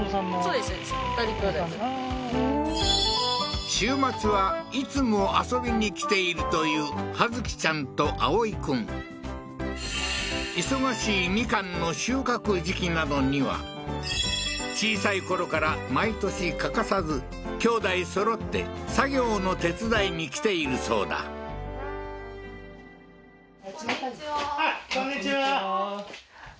はい週末はいつも遊びに来ているという葉月ちゃんと葵君忙しいみかんの収穫時期などには小さい頃から毎年欠かさずきょうだいそろって作業の手伝いに来ているそうだあ